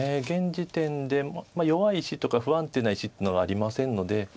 現時点で弱い石とか不安定な石っていうのはありませんので。